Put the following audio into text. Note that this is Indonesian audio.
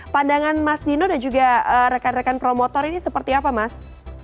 pandangan mas dino dan juga rekan rekan promotor ini seperti apa mas